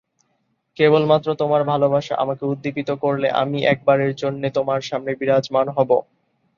কেবলমাত্র তোমার ভালোবাসা আমাকে উদ্দীপিত করলে আমি একবারের জন্যে তোমার সামনে বিরাজমান হব।'